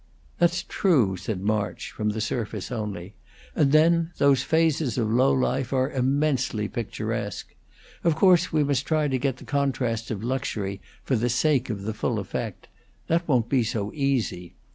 "That's true," said March, from the surface only. "And then, those phases of low life are immensely picturesque. Of course, we must try to get the contrasts of luxury for the sake of the full effect. That won't be so easy.